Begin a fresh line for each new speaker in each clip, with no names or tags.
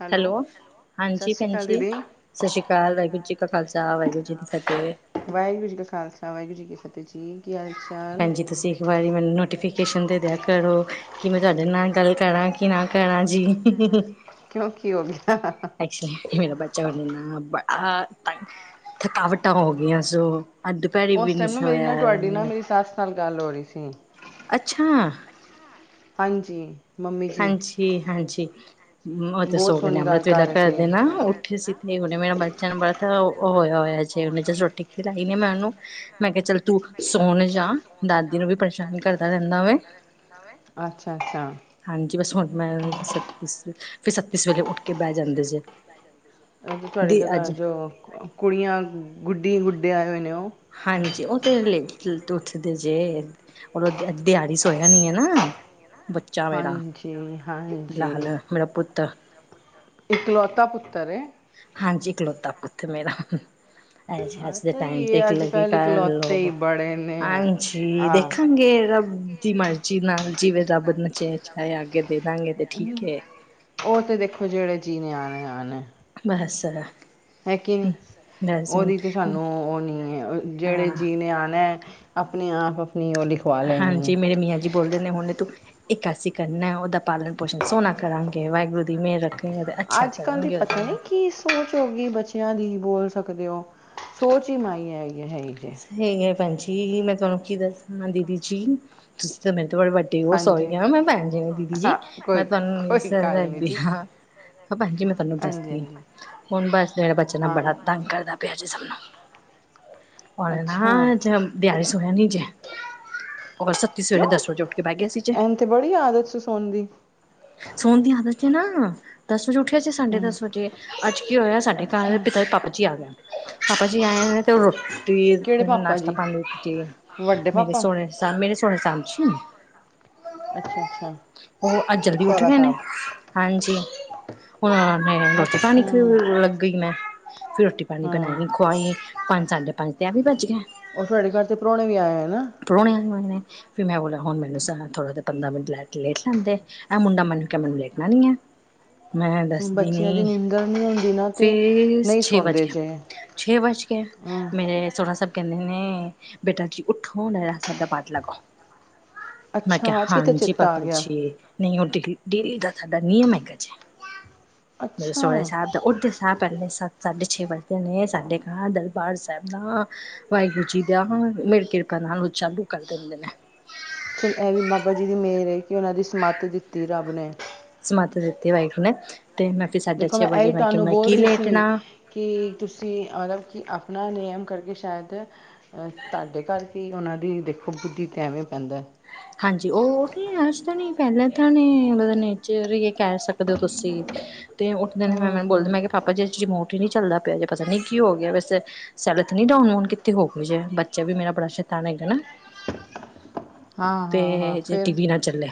Hello. ਸਤਿ
ਹਾਂਜੀ
ਸ਼੍ਰੀ ਅਕਾਲ
ਭੈਣਜੀ
ਦੀਦੀ।
ਸਤਿ ਸ਼੍ਰੀ ਅਕਾਲ ਵਾਹਿਗੁਰੂ ਜੀ ਕਾ ਖਾਲਸਾ ਵਾਹਿਗੁਰੂ ਜੀ ਦੀ ਫਤਿਹ।
ਵਾਹਿਗੁਰੂ ਜੀ ਕਾ ਖਾਲਸਾ ਵਾਹਿਗੁਰੂ ਜੀ ਕੀ ਫ਼ਤਿਹ ਜੀ। ਕੀ ਹਾਲ ਚਾਲ?
ਭੈਣ ਜੀ ਤੁਸੀਂ ਇੱਕ ਵਾਰੀ ਮੈਨੂੰ ਨੋਟੀਫਿਕੇਸ਼ਨ ਦੇ ਦਿਆ ਕਰੋ ਕਿ ਮੈਂ ਤੁਹਾਡੇ ਨਾਲ ਗੱਲ ਕਰਾਂ ਕਿ ਨਾ ਕਰਾਂ ਜੀ।
ਕਿਉਂ ਕੀ ਹੋ ਗਿਆ
ਐਕਚਲੀ ਮੇਰਾ ਬੱਚਾ ਵਡੀ ਨਾ ਅ ਥਕਾਵਟਾਂ ਹੋ ਗਈਆਂ ਸੋ, ਅੱਜ ਦੁਪਹਿਰੇ ਵੀ
ਉਸ
ਨਹੀਂ
ਟਾਈਮ ਨਾ ਮੇਰੀ ਨਾ
ਸੋਇਆ
ਤੁਹਾਡੀ ਨਾਲ ਮੇਰੀ ਸੱਸ ਨਾਲ ਗੱਲ ਹੋ ਰਹੀ ਸੀ।
ਅੱਛਾ।
ਹਾਂਜੀ। ਮੰਮੀ ਜੀ
ਹਾਂਜੀ ਹਾਂਜੀ, ਉਹ ਤੇ
ਬਹੁਤ
ਸੋਗੇ ਨੇ
ਸੋਹਣੀ ਗੱਲ
ਅੰਮ੍ਰਿਤ
ਕਰ
ਵੇਲਾ
ਰਹੇ ਸੀ।
ਕਰਦੇ ਨਾ ਉੱਠੇ ਸੀ। ਤੇ ਉਹਨੇ ਮੇਰਾ ਬੱਚਿਆ ਨੂੰ ਬੜਾ ਤਾਂ ਹੋਇਆ ਹੋਇਆ ਜੇ ਉਹਨੇ ਜ ਰੋਟੀ ਖਿਲਾਈ ਨ ਮੈਂ ਓਨੂੰ ਮੈਂ ਕਿਹਾ ਚੱਲ ਤੂੰ ਸੋਣ ਜਾ ਦਾਦੀ ਨੂੰ ਵੀ ਪਰੇਸ਼ਾਨ ਕਰਦਾ ਰਹਿੰਦਾ ਹੋਵੇ।
ਅੱਛਾ-ਅੱਛਾ।
ਹਾਂਜੀ ਬਸ ਹੁਣ ਮੈਂ ਫਿਰ ਛੱਤੀਸ ਸਵੇਰੇ ਉੱਠ ਕੇ ਬਹਿ ਜਾਂਦੇ ਜੇ।
ਤੁਹਾਡੇ
ਦੀ
ਜਗ੍ਹਾ
ਅੱਜ
ਘਰ ਚ ਕੁੜੀਆਂ ਗੁੱਡੀ ਗੁੱਡੇ ਆਏ ਹੋਏ ਨੇ ਉਹ,
ਹਾਂਜੀ ਉਹ ਤੇਰੇ ਲਈ, ਉੱਠਦੇ ਜੇ ਰ ਦਿਹਾੜੀ ਸੋਇਆ ਨੀ ਹੈ ਨਾ। ਬੱਚਾ ਮੇਰਾ,
ਹਾਂਜੀ
ਲਾਲ ਮੇਰਾ ਪੁੱਤ।
ਇੱਕਲੋਤਾ ਪੁ
ਹਾਂਜੀ ਇੱਕਲੋਤਾ ਪੁੱਤ ਮੇਰਾ। ਅੱਜ
ਹਾਂ
ਅੱਜ ਦੇ
ਤਾਂ
ਟਾਈਮ ਤੇ
ਇਹ
[unintelligible]
ਅੱਜ
ਲਗੀ
ਕੱਲ੍ਹ
ਕਰ
ਇਕਲੌਤੇ ਹੀ
ਲੋ
ਬੜੇ ਨੇ
ਆਂ ਸੀ
ਆਹ
ਦੇਖਾਂਗੇ ਰ ਦੀ ਮਰਜ਼ੀ
ਰੱਬ
ਨਾਲ ਜਿਵੇਂ ਰੱਬ ਨਚੇ ਚਏ ਅਗੇ।
ਉਹ ਤੇ ਦੇਖੋ ਜਿਹੜੇ ਜੀ ਨੇ ਆਣਾ ਆਣਾ।
[unintelligible]
ਹੈਕਿਨ
ਬਸ
ਉਹਦੀ ਤੇ ਸਾਨੂੰ ਉਹ ਨੀ ਹੈ ਜਿਹੜੇ
ਹਾਂ
ਜੀ ਨੇ ਆਉਣਾ। ਆਪਣੇ ਆਪ, ਆਪਣੀ ਉਹ ਲਿਖਵਾ ਲੈਣੀ
ਹਾਂਜੀ
ਹੈ
ਮੇਰੇ ਮੀਆਂ ਜੀ ਬੋਲਦੇ ਨੇ ਹੁਣ ਤੂੰ ਇਕਾਸੀ ਕਰਨਾ ਉਹਦਾ ਪਾਲਣ ਪੋਸ਼ਣ ਸੋਹਨਾ ਕਰਾਂਗੇ ਵਾਹਿਗੁਰੂ ਦੀ ਮਿਹਰ, ਰੱਖੇਗੇ ਤੇ ਅੱਛਾ
ਅੱਜ ਕੱਲ੍ਹ ਦੀ
ਕਰਨਗੇ ਉਹਦੇ
ਪਤਾ ਨੀ
ਨਾਲ
ਕੀ ਸੋਚ ਹੋ ਗਈ ਬੱਚਿਆਂ ਦੀ। ਬੋਲ ਸਕਦੇ ਹੋ ਸੋਚ ਹੀ ਮਾਈ ਹੈ। ਜੇ
ਸਹੀ ਹੈ ਭਾਣਜੀ ਮੈਂ ਤੁਹਾਨੂੰ ਕੀ ਦੱਸਾਂ ਦੀਦੀ ਜੀ ਤੁਸੀਂ ਤਾਂ ਮੈਨੂੰ ਬੜੇ ਵੱਡੇ ਉਹ ਸ ਹੋ
ਹਾਂਜੀ
ਗਏ ਨਾ ਮੈਂ ਭੈਣ ਜੀ ਨੇ ਦੀਦੀ ਜੀ
ਹਾਂ ਕੋਈ
ਮੈਂ ਤੁਹਾਨੂੰ ਨੀ ਦੇ
ਕੋਈ ਗੱਲ ਨਹੀਂ
ਸਕਦੀ
ਜੀ
ਹਾਂ। ਹਾਂ ਭਾਣਜੀ ਮੈਂ ਤੁਹਾਨੂੰ
ਹਾਂਜੀ
ਦੱਸਦੀ
ਹਾਂਜੀ
ਹੁਣ ਬਸ ਮੇੇਰਾ ਬੱਚਾ ਬੜਾ
ਹਾਂ
ਤੰਗ ਕਰਦਾ ਪਿਆ ਸਭ ਨੂੰ। ਉਹਨੇ
ਅੱਛਾ
ਨਾਂ [unintelligible] ਸੁਣਿਆ ਨੀ ਜੇ। ਔਰ ਸੱਤੀ ਸਵੇਰੇ
ਕਿਉਂ
ਦਸ ਵਜੇ ਉੱਠ ਕੇ ਬਹਿ ਗਿਆ ਏਸੀ ਚ।
ਐਨ ਤੇ ਬੜੀ ਆਦਤ ਸੀ ਸੌਣ ਦੀ
ਸੋਣ ਦੀ ਆਦਤ ਚ ਨਾ ਦੱਸ ਉੱਠਿਆ ਸੀ ਸਾਡੇ
ਹੂੰ
ਦਸ ਵਜੇ ਅੱਜ ਕੀ ਹੋਇਆ ਸਾਡੇ ਘਰ
ਅੱਛਾ
ਦੇ ਪਿਤਾ ਪਾਪਾ ਜੀ ਆ ਗਿਆ ਪਾਪਾ ਜੀ ਆਏ ਹੋ ਤੇ ਰੋਟੀ
ਕਿਹੜੇ ਪਾਪਾ
ਨਾਸ਼ਤਾ
ਜੀ
ਪਾਣੀ ਦਿੱਤੀ
ਵੱਡੇ
ਮੇਰੇ
ਪਾਪਾ
ਸੋਹਰੇ ਮੇਰੇ ਸੋਹਰੇ [unintelligible]
ਅੱਛਾ-ਅੱਛਾ।
ਅੱਜ ਜਲਦੀ ਉੱਠ ਗਏ ਨੇ, ਹਾਂਜੀ ਹੁਣ ਮੈਂ ਰੋਟੀ
ਅੱਛਾ
ਪਾਣੀ ਲੱਗ ਗਈ ਮੈਂ ਫਿਰ ਰੋਟੀ ਪਾਣੀ
ਹਾਂ
ਬਣਾਈ ਖਵਾਈ ਪੰਜ ਸਾਢੇ ਪੰਜ ਤੇ ਐ ਵੀ ਭੱਜ ਗਿਆ
ਉਹ ਤੁਹਾਡੇ ਘਰ ਤੇ ਪ੍ਰਾਹੁਣੇ ਵੀ ਆਏ ਨੇ
ਪ੍ਰੁਣੇ ਮ ਨੇ ਫ ਮੈਂ ਬੋਲਿਆ ਹੁਣ ਮੈਨੂੰ ਥੋੜਾ ਪੰਦਰਾਂ ਮਿੰਟ ਲੈ ਲੇਟ ਲੈਂਦੇ ਇਹਹ ਮੁੰਡਾ ਮੈਨੂੰ ਕ ਕਿਹਾ ਮੈਨੂੰ ਲੇਟਣਾ ਨ ਹੈ ਮੈਂ ਦੱਸਦੀ
ਬੱਚਿਆਂ ਦੀ
ਨੀ
ਨਿੰਦਣ ਨਹੀਂ ਹੁੰਦੀ ਨਾ ਤੇ
ਫਿਰ
ਨਹੀਂ
ਛੇ ਵੱਜ
ਸਣਦੇ
ਗਿਆ
ਜਹੇ
ਛੇ ਵਜ ਕੇ ਮੇਰੇ ਸੋਲਾਂ ਸ ਕਹਿੰਦੇ ਨੇ ਬੇਟਾ ਜੀ ਉੱਠੋ ਨਰਾਸ ਦਾ ਬਾਡ ਲਾਗਾੋ ਮੈਂ ਕਿਹਾ
ਅੱਛਾ ਅੱਜ ਕਿਤੇ
ਹਾਂਜੀ
ਚੇਤਾ ਆ
ਪਾਪਾ
ਗਿਆ
ਜੀ ਨਹੀਂ ਹ ਡੇਰੀ ਦਾ ਸਾਡਾ ਨਿਯਮ ਹੈਗਾ ਜੇ ਮ
ਅੱਛਾ
ਸੋਹ ਸਾਹਿਬ ਦਾ ਉੱਦੇ ਸਬ ਪਹਿਲੇ ਸੀ ਸੱਤ ਸਾਢੇ ਛੇ ਵੱਜਦੇ ਨੇ ਸਾਡੇ ਘਰ ਦਰਬਾਰ ਸਾਹਿਬ ਦਾ ਵਾਹਿਗੁਰੂ ਜੀ ਦਾ ਮੇਰੀ ਕਿਰਪਾ ਨੂੰ ਚਾਲੂ ਕਰ ਦਿੰਦੇ ਨੇ
ਚਲ ਇਹ ਵੀ ਬਾਬਾ ਜੀ ਦੀ ਮੇਹਰ ਹੈ ਕਿ ਉਹਨਾਂ ਦੀ ਸਮੱਥ ਦਿੱਤੀ ਰੱਬ ਨੇ
ਮਤ ਦਿੱਤੀ ਵਾਹਿਗੁਰੂ ਤੇ ਮੈਂ ਫਿਰ ਸਾਢੇ
ਦੇਖੋ
ਛੇ
ਮੈਂ
ਵਜੇ
ਇਹੀ
ਕਿ
ਤੁਹਾਨੂੰ
ਮੈਂ
ਬੋਲ
ਕੀ
ਰਹੀ ਸੀ
ਲੇਟਣਾ
ਕਿ ਤੁਸੀਂ ਮਤਲਬ ਕਿ ਉਹ ਨੇਿਯਮ ਕਰਕੇ ਸ਼ਾਇਦ ਅਹ ਤੁਹਾਡੇ ਕਰਰਕੇ ਉਹਨਾਂ ਦੀ ਦੇਖੋ ਬੁੱਧੀ ਤੇ ਐਵੇਂ ਪੈਂਦਾ ਹੈ
ਹਾਂਜੀ ਉਹ ਤੇ ਅੱਜ ਤਾਂ ਨੀ ਪਹਿਲਾਂ ਤਾਂਣੇ ਮ ਨੇਚ ਕਹਿ ਸਕਦੇ ਹੋ ਤੁਸੀਂ ਤੇ ਉੱਠਦੇ
ਹਾਂ
ਨੇ ਮੈਂ ਮੈਨੂੰ
ਹਾਂ
ਬੋਲਦੇ ਮੈਂ ਕਿਹਾ ਪਾਪਾ ਜੇ ਅੋ ਨੀ ਚੱਲਦਾ ਪਿਆ ਜੇ ਪਤਾ ਨੀ ਕੀ ਹੋ ਗਿਆ ਵੈਸ ਸੈਲਰ ਨੀ ਡਾਊਨਨ ਕਿੱਥ ਹੋਏ ਜੇ ਬੱਚਾ ਵੀ ਮੇਰਾ ਬੜਾ ਤਣੇੇਗਣਾ
[inaudible]
ਤੇ
ਹਾਂ ਹਾਂ
ਜੇ ਟੀ
ਫਿਰ
ਵੀ ਨਾਲ ਚੱਲਿਆ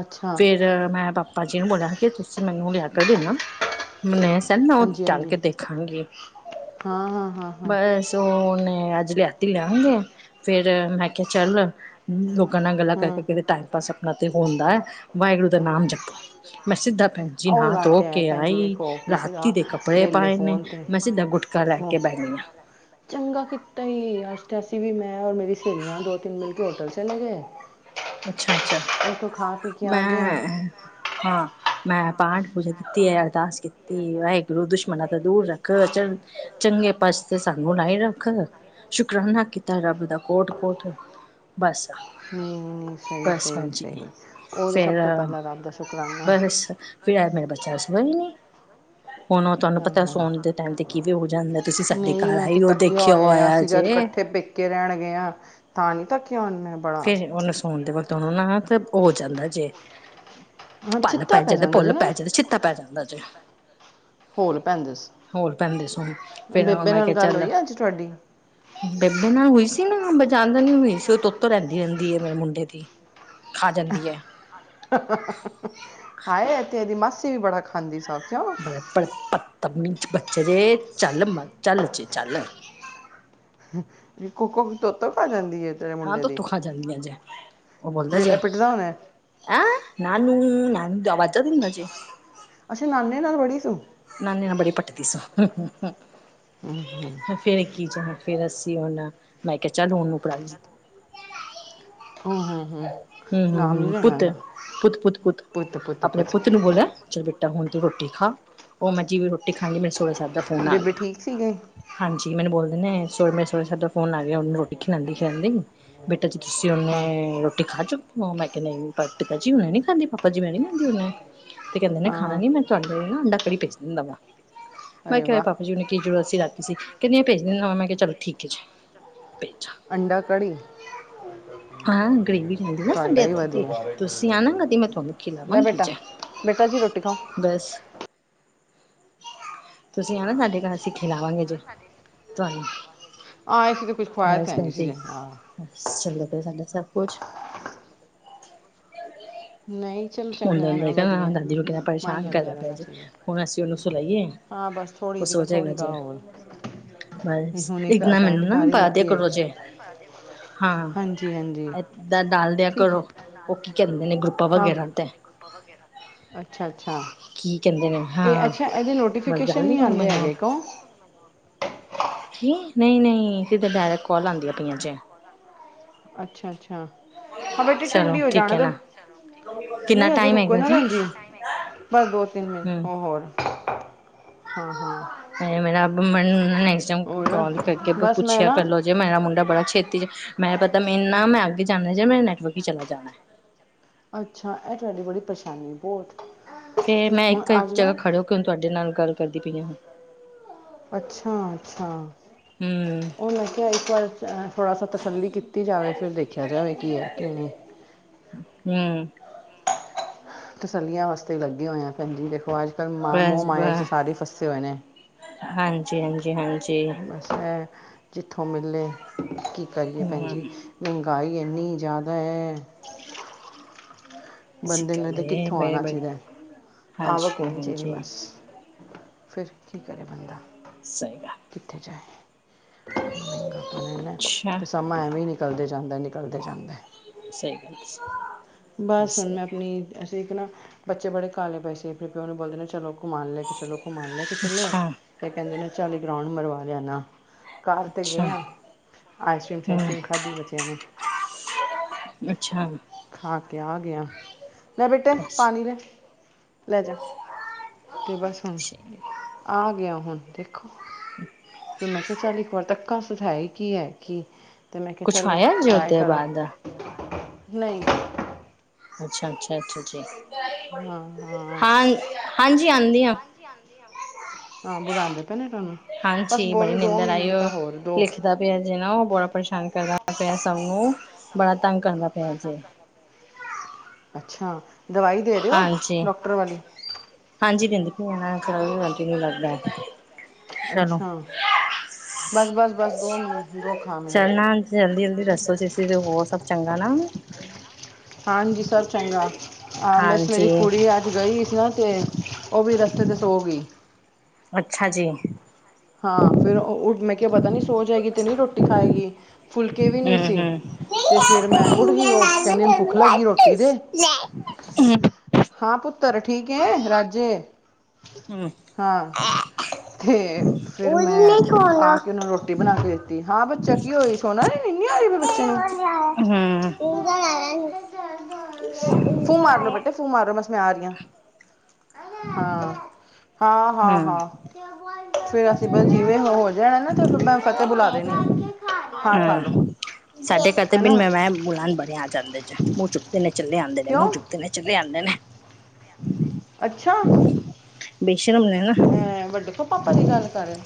ਅੱਛਾ
ਫੇਰ ਮੈਂ ਬਾਪਾ ਭਾ ਜੀ ਨੂੰ ਬੋਲਿਆ ਕਿ ਤੁਸੀਂ ਮੈਨੂੰ ਲਿਆ ਕੇ ਦੇਣਾ ਮਨੇ ਨਾ ਓ
ਹਾਂਜੀ
ਚੱਲ
ਹਾਂਜੀ
ਕੇ ਦੇਖਾਂਗੀ
ਹਾਂ ਹਾਂ ਹਾਂ ਹਾਂ
ਬਸ ਓਨੇ ਨੇ ਅੱਜ ਲਿਆਤੀ ਲਿਆਗੇ ਫੇਰ ਮੈਂਖਿਆ ਚੱਲ ਗਲਾ ਕਰਕੇ
ਹੂੰ
ਕਿਤੇ ਟਾਈਮ ਪਾਸ ਆਪਣਾ ਤੇ ਹੁੰਦੈ ਵਾਹਿਗੁਰੂ ਦਾ ਨਾਮ ਜਪੋ। ਮੈਂ ਸਿੱਧਾ ਭੈਣਜੀ
ਉਹ
ਨਾ
ਗੱਲ
ਧੋ
ਤਾਂ ਹੈ
ਕੇ
ਭੈਣ ਜੀ
ਆਈ
ਦੇਖੋ ਕਿਸੇ ਦਾ
ਰਾਤੀ ਦੇ ਕੱਪੜੇ
ਵੇਲੇ
ਪਾਏ ਨੇ
ਫੋਨ 'ਤੇ
ਮੈਂ ਸਿੱਧਾ ਗੁਟਕਾ ਲੈ
ਫੋ
ਕੇ ਬੇਨੀਆਂ
ਚੰਗਾ ਕੀਤਾ ਈ ਵੀ ਮੈਂ ਮੈਂ ਓਰ ਮੇਰੀ ਸੇਲੀਆਂ ਦੋ ਤਿੰਨ ਮਿਲ ਕੇ ਹੋਟਲ ਚਲੇ ਗਏ
ਅੱਛਾ-ਅੱਛਾ
ਉੱਥੋਂ ਖਾ ਪੀ ਕੇ ਆ ਗਿਆ
ਮੈਂ ਹਾਂ ਮੈਂ ਪਾਠ ਪੂਜਾ ਕੀਤੀ ਅਰਦਾਸ ਕੀਤੀ ਵਾਹਿਗੁਰੂ ਦੁਸ਼ਮਣ ਤੋਂ ਦੂਰ ਰੱਖ ਚੰਗੇ ਪਾਸੇ ਸਾਨੂੰ ਲਾਏ ਰੱਖਨ ਸ਼ੁਕਰਾਨਾ ਕੀਤਾ ਰੱਬ ਦਾ ਕੋਟ-ਕੋਟ ਬਸ
ਨਹੀਂ ਨਹੀਂ ਸਹੀ
ਬਸ
ਸਹੀ
ਭੈਣਜੀ
ਸਹੀ ਉਹ ਤਾਂ ਸਭ
ਫੇਰ
ਤੋਂ ਪਹਿਲਾਂ ਰੱਬ ਦਾ ਸ਼ੁਕਰਾਨਾ
ਬਸ ਫਿਰ ਐ ਬੱ [inaudible] ਹੁਣ ਤੁਹਾਨੂੰ
ਹਾਂ
ਪਤਾ
ਹਾਂ
ਸੋਣ ਦੇ ਟੈਮ ਤੇ ਕਿਵੇਂ ਹੋ ਜਾਂਦਾ ਤੁਸੀਂ ਸਾਡੇ ਘਰ ਆਈਓ ਦੇਖਿਆ ਹੋਇਆ ਜੇ
ਉੱਠੇ ਪੇਕੇ ਰਹਿਣ ਗਏ ਆ ਤਾਂ ਨੀ
ਫੇਰ ਓਨੂੰ ਸੋਣ ਦੇ ਵਕਤ ਓਨੂੰ ਨਾ ਤੇ ਹੋ ਜਾਂਦਾ ਜੇ
ਹਾਂ
ਪੱਲ
ਚਿੱਤਾ
ਪੈ ਜਾਂਦੇ
ਜਾਂਦਾ ਜੀ
ਪੁੁੱਲ
ਨਾ
ਪੈ ਜਾਂਦੇ ਚੀਤਾ ਪੈ ਜਾਂਦਾ ਜੇ
ਹੋਲ ਪੈਂਦੇ
ਹੋਰ
ਸੀ
ਫੇਰ ਹੁਣ
ਬੇਬੇ
ਮੈਂ
ਨਾਲ
ਕਿਆ
ਗੱਲ
ਚੱਲ
ਹੋਈ ਅੱਜ ਤੁਹਾਡੀ
ਬੇਬੇ ਨਾਲ ਹੋਈ ਸੀ ਨਾ ਬ ਜਾਂਦਾ ਨੀ ਹੋਈ ਸੀ ਓ ਤਾਂ ਤੁੱਤ ਰੈਦੀ ਰੇਦੀ ਮੇਰੇ ਮੁੰਡੇ ਦੀ ਖਾ ਜਾਂਦੀ ਐ।
ਹਾਏ ਏ ਤੇ ਏਦੀ ਮਾਸੀ ਵੀ ਬੜਾ ਖਾਂਦੀ ਸਾ ਕਿਉਂ
[inaudible] ਤਮੀਜ ਬੱਚੇ ਦੇ ਚੱਲ ਮ ਚੱਲ ਜੇ ਚੱਲ
ਵੀ ਕੋਕੋ ਤੋਤੋਂ ਖਾ ਜਾਂ
ਹਾਂ ਤੂੰ ਤੂੰਖਾਂ ਜਾਂਦੀਆਂ ਜੇ ਓ ਬੋਲਦਾ
ਫਿਰ
ਜੇ
ਇਹ ਪਿੱਟਦਾ ਹੋਣਾ ਹੈ।
ਐ ਨਾਨੂੰ ਨਾ ਨੂੰ ਵਾਜਾ ਦਿੰਦਾ ਜੇ।
ਅੱਛਾ ਨਾਨੇ ਨਾ ਬੜੀ ਸੁ
ਨਾਨੀ ਨਾਲ ਬੜੀ ਪਟਦੀ ਸੁ,
ਹਮ, ਹਮ।
ਫੇਰ ਕੀ ਚ ਫੇਰ ਅਸੀਂ ਹੁਣ, ਮੈਂ ਕਿਆ ਚਲ ਔਨੂੰ ਪੜਾ
ਹੂ ਹੂੰ-ਹੂੰ
ਹੂੰ-ਹੂੰ-ਹੂੰ ਪੁੱਤ-ਪੁੱਤ-ਪੁੱਤ-ਪੁੱਤ ਆਪਣੇ ਪੁੱਤ ਨੂੰ ਬੋਲਿਆ ਚ ਬੇ ਟਾ ਹੁਣ ਤੂੰ ਰੋਟੀ ਖਾ, ਔ ਮੈਂ ਜਿਵੇਂ ਰੋਟੀ ਖਾਣੀ ਮੇਰੇ ਹੁਣੇ ਸਾਬ ਦਾ ਫੋਨ ਆ
ਬੇਬੇ
ਗਿਆ,
ਠੀਕ ਸੀ ਗਈ
ਹਾਂਜੀ ਮੈਨੂੰ ਬੋਲ ਹੁਣੇ ਮੇਰੇ ਸੋਰੇ ਸਾਬ ਦਾ ਫੋਨ ਆ ਗਿਆ, ਓਨੂੰ ਰੋਟੀ ਖਿਲਾਂਦੀ-ਖਿਲਾਂਦੀ, ਬੇਟਾ ਜੀ ਤੁਸੀ ਓਨੇ
ਹਾਂ
ਰੋਟੀ ਖਾ ਚੁੱਕੀ ਔ, ਮੈਂ ਕਾ ਨਈ, ਜੀ ਮੈਂ ਨੀ ਖਾਂਦੀ ਪਾਪਾ ਜੀ ਮੈਂ ਨੀ ਖਾਂਦੀ ਹੂਨੇ ਤੇ ਕਹਿੰਦੇ ਨੇ
ਹਾਂ
ਖਾਣਾ
ਹਾਂ
ਨੀ, ਮੈਂ ਤੁਹਾਡੇ ਨਾ ਅੰਡਾ ਕੜੀ ਭੇਜ ਦਿੰਦਾ ਵਾ। ਮੈਂ
ਅਰੇ
ਕਿਹਾ ਪਾਪਾ
ਵਾਹ
ਜੀ ਨੂੰ, ਕੀ ਜ਼ਰੂਰਤ ਸੀ ਰਾਤੀ ਸੀ ਕੈਂਦੇ ਏ ਭੇਜਨਾ ਵਾ, ਮੈਂ ਕੇਹਾ ਚਲੋ ਠੀਕ ਐ ਜੀ। ਭੇਜਾ
ਅੰਡਾ ਕੜੀ
ਹਾਂ ਗਰੇਵੀ ਰੇਂਦੀ ਨਾ ਸਾਡੇ
ਤੁਹਾਡਾ ਹੀ
ਏਥੇ ਦੀ, ਤੇ
ਵਧੀਆ
ਤੁਸੀਂ ਆਨਾ ਕਦੀ ਤ ਮੈਂ ਤੁਹਾਨੂੰ
ਲੈ
ਖਿਲਾਵਾਂਗੀ
ਬੇਟਾ
ਜ
ਬੇਟਾ ਜੀ ਰੋਟੀ ਖਾਓ।
ਤੁਸੀਂ ਆਨਾ ਸਾਡੇ ਘਰ ਅਸੀ ਖੀਲਾਵਾਂਗੇ ਜੇ, ਤੁਹਾਨੂੰ
ਆਏ ਸੀ
ਬਸ ਭੈਣਜੀ,
ਜੀ ਹਾਂ
ਬਸ ਚੱਲਦਾ ਪਿਆ ਸਾਡਾ ਸਭ ਕੁੱਛ।
ਨਈ ਚੱਲ ਚੰਗਾ
ਹੁੰਦਾ
ਐ ਨਾ,
ਹੁੰਦਾ ਕਹਿਣਾ
ਵਧੀਆ ਐ
ਦਾਦੀ
ਨਾ,
ਨੂੰ ਕਿੰਨਾ
ਮਨ
ਪਰੇਸ਼ਾਨ
ਲੱਗਿਆ
ਕਰਦਾ ਪਿਆ
ਰਹਿਣਾ
ਜੇ
ਚਾਈ ਦਾ
ਹੁਣ ਅਸੀਂ ਉਹਨੂੰ ਸੁਲਾਈਏ
ਹਾਂ ਬਸ ਥੋ
ਉਹ
ੜੀ
ਸੋਚੇਗਾ
ਥੋੜੀ
ਜੇ
[unintelligible] ਵੀ
ਬਸ
ਹੁਣ
ਇੱਕ ਨਾ,
ਅਟੈਂਡ
ਮੈਨੂੰ ਨਾ
ਕਰ ਹੀ
ਬਾਦੇ
ਲਿੱਤੀ ਹੈ
ਕਰੋ ਜ਼ੇ ਹਾਂ
ਹਾਂਜੀ ਹਾਂਜੀ
ਏਦਾਂ ਡਾਲ ਦਿਆਂ
ਠੀਕ
ਕਰੋਂ,
ਹੈ
ਔ ਕੀ ਕਹਿੰਦੇ ਨੇ ਗਰੁੱਪ
ਹਾਂ
[unintelligible]
ਅੱਛਾ ਅੱਛਾ
ਕੀ ਕਹਿੰਦੇ ਨੇ
ਇਹ
ਹਾਂ
ਅੱਛਾ ਇਹਦੇ
ਬਸ
ਨੋਟੀਫਿਕੇਸ਼ਨ
ਜਲਦੀ
ਨਹੀਂ
ਕਰੋ
ਆਉਂਦੇ
ਮੈਨੂੰ
ਹੈਗੇ ਕ
ਨਹੀਂ ਨਹੀਂ, ਸਿੱਧ ਡਾਇਰੈਕਟ ਕਾਲ ਆਉਂਦੀਆਂ ਪਈਆਂ ਜੇ
ਅੱਛਾ ਅੱਛਾ, ਹਾਂ ਬੇਟੀੇ
ਚਲੋ
ਠੰਡੀ ਹੋ
ਠੀਕ
ਜਾਣ
ਹੈ
ਦ
ਨਾ ਕਿੰਨਾ
ਨਹੀਂ ਹਜੇ
ਟਾਈਮ
ਰੁਕੋ
ਹੈਗਾ
ਨਾ ਭੈਣ ਜੀ, ਬਸ ਦੋ ਤਿੰਨ ਮਿੰਨ
ਹਮ
ਹੋ ਹੋਰ ਹਾਂ ਹਾਂ
ਮੈਨੂ ਨੈਕਸਟ ਟਾਈਮ
ਹੋਰ
ਕਾਲ ਕਰਕੇ
ਬਸ ਮੈਂ
ਪੁੱਛਿਆ ਕਰ
ਨਾ
ਲੋ, ਜੇ ਮੇਰਾ ਮੁੰਡਾ ਬੜਾ ਛੇਤੀ ਚ ਮੈਂ ਪਤਾ ਮੇਰੇ ਨਾ ਮੈਂ ਅੱਗੇ ਜਾਂਦਾ, ਮੇਰਾ ਨੈਟਵਰਕ ਹੀ ਚਲਾ ਜਾਣਾ
ਅੱਛਾ ਇਹ ਤੁਹਾਡੀ ਬੜੀ ਪਰੇਸ਼ਾਨੀ ਬਹੁਤ
ਫੇਰ ਮੈਂ
ਹੁਣ
ਇੱਕ ਇੱਕ
ਅੱਜ
ਜਗ੍ਹਾ
ਨਾ
ਖੜੇ ਹੋ ਕੇ, ਹੁਣ ਤੁਹਾਡੇ ਨਾਲ ਗੱਲ ਕਰਦੀ ਪਈ ਹਾਂ।
ਅੱਛਾ ਅੱਛਾ
ਹਮ
ਉਹਣ ਲੱਗਿਆ ਇੱਕ ਵਾਰ ਥੋੜਾ ਸ ਤਸੱਲੀ ਕੀਤੀ ਜਾਵੇ, ਫਿਰ ਦੇਖਿਆ ਜਾਵੇ ਕੀ ਹੈ ਕਿਨ [unintelligible]
ਹਮ
ਤਸੱਲੀਆਂ ਵਾਸਤੇ ਲੱਗੇ ਹੋਏ ਆ, ਭੈਣਜੀ ਦੇਖੋ ਅੱਜ ਪਰ ਮ ਮੋਹ
ਬਸ
ਮਾਇਸ਼
ਬਸ
ਸਾਰੇ ਫਸੇ ਹੋਏ ਨੇ।
ਹਾਂਜੀ ਹਾਂਜੀ ਹਾਂਜੀ
ਬਸ ਜਿੱਥੋਂ ਮਿਲੇ, ਕੀ ਕਰੀਏ ਭੈਣਜੀ
ਹਮ
ਕਾਈ ਇਨੀ ਜ਼ਿਆਦਾ ਹੈ ਬੰਦੇ ਨੂੰ ਤੇ
ਸਿਕਲੇ
ਕਿੱਥੋਂ
ਬੜੇ
ਆਉਣਾ
ਬੜੇ
ਚਾਹੀਦਾ, ਆਵਕ
ਹਾਂਜੀ
ਹੋਣੀ ਚਾਦੀ
ਹਾਂਜੀ
ਬਸ ਫਿਰ ਕੀ ਕਰੇ ਬੰਦਾ
ਸਹੀ ਗੱਲ
ਕਿੱਥੇ ਜਾਏ, ਮਹੱਗਾਂ ਪੈਂਦਾ ਹੈ,
ਅੱਛਾ
ਤੇ ਸਮਾਂ ਐਵੇਂ ਨਿਕਲਦੇ ਜਾਂਦਾ ਨਿਕਲ ਤੇ ਜਾਂਦਾ,
ਸਹੀ ਗੱਲ ਹੈ
ਬਸ ਹੁਣ
ਸਹੀ
ਮੈਂ
ਗੱਲ।
ਆਪਣੀ ਠੀਕ ਨਾ ਬੱਚੇ ਬੜੇ ਕਾਲੇ ਪਏ ਸੀ, ਆਪਣੇ ਪਿਉ ਨੂੰ ਬੋਲਦੇ ਨਾ ਚਲੋ ਘੁਮਾ ਲੈ ਕੇ ਚਲੋ, ਘੁਮਾ ਲੈ ਕੇ ਚਲੋ,
ਅੱਛਾ
ਤੇ ਕਹਿੰਦੇ ਨੇ ਚਲੋ ਇਕ ਰਾਊਂਡ ਮਰਵਾ ਲਿਆ ਨਾ ਕਾਰ ਤੇ
ਅੱਛਾ
ਗਏ ਆਂ, ਆਈਸ ਕ੍ਰੀਮ ਸ਼ਾਇਸ
ਹਮ
ਕ੍ਰੀਮ ਖਾਧੀ ਬੱਚਿਆਂ ਨੇ
ਅੱਛਾ
ਖਾ ਕੇ ਆ ਗਏ ਆਂ। ਲੈ ਬੇਟੇ, ਪਾਣੀ ਦੇ, ਲੈ ਜਾ ਤੇ ਬਸ ਹੁਣ ਆ ਗਿਆ ਹੁਣ ਦੇਖ ਸੁਥਾਈ ਕੀ ਹੈ ਕੀ ਤੇ ਮੈਂ ਕਿਹਾ
ਕੁਛ
ਚੱਲ
ਆਇਆ ਜੀ
ਟਰਾਈ
ਉਹਦੇ
ਕਰਾਂ।
ਬਾਅਦ
ਨਹੀਂ।
ਅੱਛਾ -ਅੱਛਾ -ਅੱਛਾ ਜੀ ਹਾਂ ਹਾਂਜੀ ਆਂਦੀ ਆ।
ਹਾਂ ਬੁਲਾਉਂਦੇ ਪੈਣੇ।
ਹਾਂਜੀ ਬੜੀ ਨਿੰਦਰ ਆਈ ਉਹ
ਹੋਰ ਦੋ
ਲਿਖਦਾ ਪਿਆ ਜਿਹ ਨਾ ਉਹ ਬੜਾ ਪਰੇਸ਼ਾਨ ਕਰਦਾ ਪਿਆ ਸਭ ਨੂੰ ਬੜਾ ਤੰਗ ਕਰਦਾ ਪਿਆ ਜੇ
ਅੱਛਾ ਦਵਾਈ ਦੇ ਰਹੇ ਹੋ
ਹਾਂਜੀ
ਡਾਕਟਰ ਵਾਲੀ
ਗਟੀ ਲੱਗਦਾ [unintelligible] ਚਲੋ
ਅੱਛਾ ਬਸ- ਬਸ -ਬੱਸ ਦੋ ਮਿੰਟ ਖਾ ਮਿੰਟ
ਚੜਨਾ ਜਲਦੀ ਜਲਦੀ ਦੱਸੋ ਤੁਸੀ ਤੇ ਹੋਰ ਸਭ ਚੰਗਾ ਨਾ।
ਹਾਂਜੀ ਸਭ ਚੰਗਾ ਹਾਂ ਬੈਂ ਮੇਰੀ
ਹਾਂਜੀ
ਕੁੜੀ ਅੱਜ ਗਈ ਸੀ ਨਾ ਤੇ ਉਹ ਵੀ ਰਸਤੇ ਤੇ ਸੋ ਗਈ।
ਅੱਛਾ ਜੀ
ਹਾਂ ਫਿਰ ਮੈਂ ਕਿਹਾ ਪਤਾ ਨੀ ਸੋ ਜਾਏਗੀ ਤੇ ਨਹੀਂ ਰੋਟੀ ਖਾਏਗੀ। ਫੁਲਕੇ ਵੀ ਨਹੀਂ ਸੀ
ਹੂੰ-
ਤੇ ਫਿਰ ਮੈਂ ਉੱਠ ਗਈ ਉਹ
ਹੂੰ
ਕਹਿੰਦੀ ਨੂੰ ਭੁੱਖ ਲੱਗੀ ਰੋਟੀ ਦੇ
[inaudible] ਹੂੰ
ਹਾਂ ਪੁੱਤ ਪੁੱਤਰ ਠੀਕ ਹੈ ਰਾਜੇ
ਹੂੰ।
ਹਾਂ ਤੇ ਫਿਰ ਮੈਂ ਆ ਕੇ ਉਹਨੂੰ ਰੋਟੀ ਬਣਾ ਕੇ ਦਿੱਤੀ ਹਾਂ ਬੱਚਾ ਕੀ ਹੋਈ ਸੋਨਾ ਨੰਨੀ ਆਈ ਮੇਰੇ ਬੱਚੇ ਨੂੰ
ਗਾ ਆ ਨ [unintelligible]
[inaudible] ਫੂ ਮਾਰ ਲੋੋ ਬੇਟੇ ਫੂ ਮਾਰ ਲੋੋ ਮ ਮੈਂ ਆ ਰਹੀ ਹ ਹਾਂ -ਹਾਂ- ਹਾਂ -ਹਾਂ [inaudible] ਅਸੀ ਜਿਵੇ ਹੋ ਜਾਣਾ ਨਾ ਤੇ ਫਿਰ ਮੈ ਫਤਿਹ ਬੁਲਾ ਦੇਣੀ ਹਾਂ ਖਾ ਲੋੋ
ਸਾਡੇ ਘਰ ਬਿਨ ਬੁਲਾਏ ਮਹਿਮਾਨ ਬੜੇ ਆ ਜਾਂਦੇ ਹੁਣ ਮੂੰਹ ਚੁਕਦੇ ਨੇ ਚਲੇ ਆਉਦੇ ਨੇ ਮੂੰਹ
ਕਿਉਂ
ਚੁਕਦੇ ਨੇ ਚਲੇ ਆਉਦੇ ਨੇ।
ਅੱਛਾ
ਸ਼ਰਮ ਨਹੀਂ ਹਨਾ।
ਕਿਹੜੀ ਗੱਲ ਕਰ ਰਿਹਾ।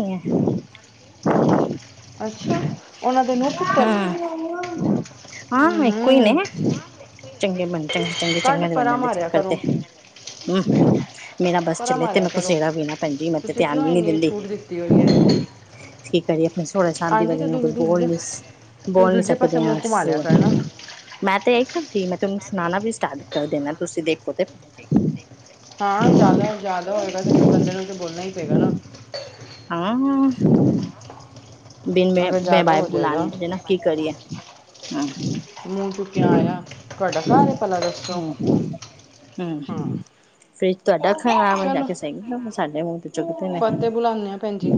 [inaudible]
[inaudible] ਅੱਛਾ ਉਹਨਾਂ ਦੇ ਨੂੰ ਪੁੱਤਰ
ਹਾਂ [inaudible] ਹਾਂ ਇਕੋ ਹੀ ਨੇ
ਹੂੰ
ਚੰਗੇ ਬਣ ਚੰਗੇ- ਚੰਗੇ-
ਕੱਢ
ਚੰਗੇ ਦੇ ਬਣ
ਪਰਾ
ਜਾਂਦੇ
ਮਾਰਿਆ
ਚਕਰ ਤੇ
ਕਰੋ
ਹੂੰ। ਮੇਰਾ ਬਸ
ਪਰਾ
ਚਲੇ ਤੇ
ਮਾਰਿਆ
ਮੈ
ਕਰੋ
ਗੁਸੇੜਾ ਵੀ ਨਾ ਭੈਣ ਜੀ ਮੈਂ ਤੇ
ਤੁਸੀਂ
ਧਿਆਨ
ਕਿਉਂ
ਵੀ ਨੀ
ਇੰਨੀ
ਦਿੰਦੀ।
ਛੂਟ ਦਿੱਤੀ ਹੋਈ ਹੈ
ਕੀ ਕਰੀਏ ਆਪਣੇ ਸੋਰਾ ਸਾਹਿਬ ਜੀ ਦੀ
ਆਂਦੀ
ਵਜਹਾ
ਤੇ
ਨਾਲ ਕੁਛ
ਦੂਜੇ ਦੂਜੇ ਤੂੰ
ਬੋਲ ਨੀ
ਦੂਜੇ ਪਾਸੇ
ਸਕਦੇ
ਮੂੰਹ
ਹਾ
ਘੁਮਾ
ਅਸੀ
ਲਿਆ ਕਰਨਾ
ਮੈਂ ਤੇ ਇਹ ਕਰਦੀ ਮੈ ਤਨੂੰ ਸੁਨਾਣਾ ਵੀ ਸਟਾਟ ਕਰ ਦੇਣਾ ਤੁਸੀ ਦੇਖੋ ਤੇ
ਹਾਂ ਜਿਆਦਾ- ਜਿਆਦਾ ਹੋਏਗਾ ਤੇ ਫਿਰ ਬਦੇ ਨੂੰ ਤਾਂ ਬੋਲਣਾ ਹੀ ਪਏਗਾ ਨਾ
ਹਾਂ ਬਿਨ ਮੈ-
ਅਗਰ
ਮੈ
ਜ਼ਿਆਦਾ
ਬਾਈ
ਹੋ ਜਾਏਗਾ
ਬੁਲਾਉਣ ਨਾ ਕੀ ਕਰੀਏ ਹਮ
ਮੂੰਹ ਚੁੱਕਿਆ ਆਇਆ ਤੁਹਾਡਾ ਘਰ ਭਲਾ ਦਸੋ।
ਹੂੰ ਫਰਿਜ ਤੁਹਾਡਾ ਖਰਾਬ ਜਾ
ਚਲੋ
ਕੇ ਸਹੀ
ਫਤਿਹ
ਬ
ਬੁਲਾਉਂਦੇ ਆ ਭੈਣ ਜੀ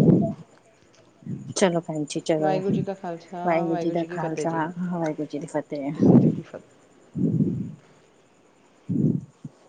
[unintelligible] ਚਲੋ ਭੈਣ ਜੀ ਚਲੋ
ਵਾਹਿਗੁਰੂ ਜੀ ਕਾ ਖਾਲਸਾ
ਵਾਹਿਗੁਰੂ ਜੀ ਦਾ
ਕੀ ਫਤਿਹ
ਖਾਲਸਾ
ਜੀ
ਵਾਹਿਗੁਰੂ ਜੀ ਦੀ ਫਤਿਹ।
[inaudible]
[inaudible]